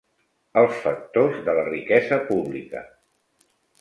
Els factors de la riquesa pública.